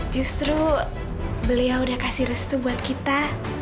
justru beliau udah kasih restu buat kita